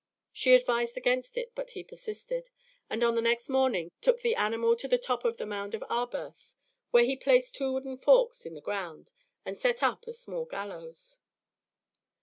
She advised against it, but he persisted, and on the next morning took the animal to the top of the Mound of Arberth, where he placed two wooden forks in the ground, and set up a small gallows.